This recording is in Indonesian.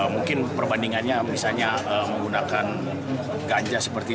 mungkin perbandingannya misalnya menggunakan ganja seperti